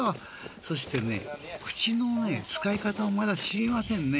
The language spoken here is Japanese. そして口のね使い方をまだ知りませんね。